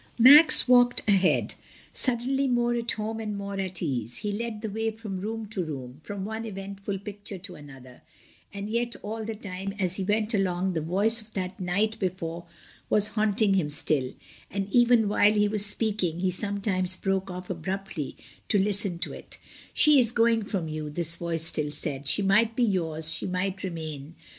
Max walked ahead, suddenly more at home and more at ease; he led the way from room to room, from one eventfril picture to another, and yet all the time as he went along the voice of that night before was haunting him still, and even while he was speaking he sometimes broke off abruptly to listen to it "She is going from you," this voice still said; "she might be yours, she might remain."